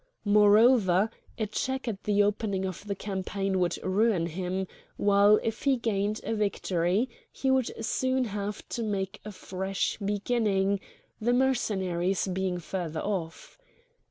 Moreover, a check at the opening of the campaign would ruin him, while if he gained a victory he would soon have to make a fresh beginning, the Mercenaries being further off.